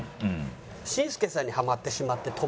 「紳助さんにハマってしまって戸惑う」。